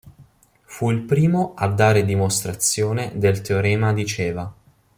Fu il primo a dare dimostrazione del Teorema di Ceva.